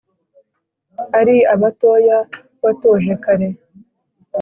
Ari abatoya watoje kare